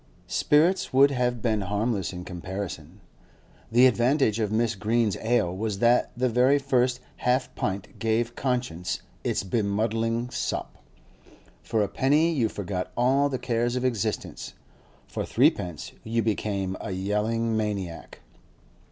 Spirits would have been harmless in comparison. The advantage of Mrs. Green's ale was that the very first half pint gave conscience its bemuddling sop; for a penny you forgot all the cares of existence; for threepence you became a yelling maniac.